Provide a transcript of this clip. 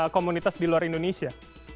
komunitas di luar indonesia